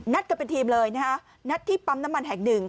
กันเป็นทีมเลยนะฮะนัดที่ปั๊มน้ำมันแห่งหนึ่ง